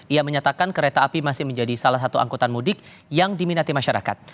ia menyatakan kereta api masih menjadi salah satu angkutan mudik yang diminati masyarakat